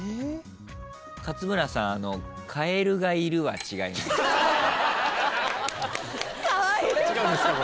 勝村さん「かえるがいる」は違います。